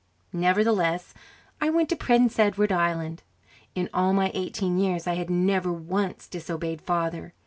Nevertheless, I went to Prince Edward Island. In all my eighteen years I had never once disobeyed Father.